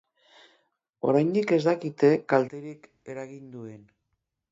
Oraindik ez dakite kalterik eragin duen.